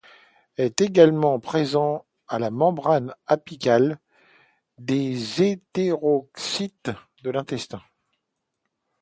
Il est également présent à la membrane apicale des entérocytes de l'intestin.